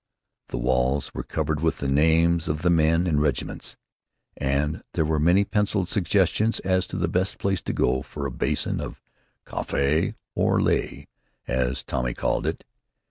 The walls were covered with the names of men and regiments, and there were many penciled suggestions as to the best place to go for a basin of "coffay oh lay," as Tommy called it.